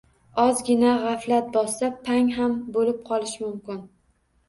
Ozgina gʻaflat bossa, “pangʻ” ham boʻlib qolishi mumkin.